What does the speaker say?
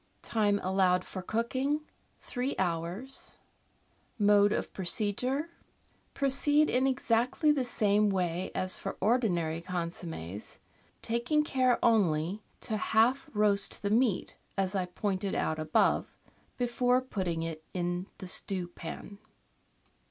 Time allowed for cooking. — Three hours. Mode of Procedure. — Proceed in exactly the same way as for * ordinary consommes, taking care only to half roast the meat, as I pointed out above, before putting it in the stewpan.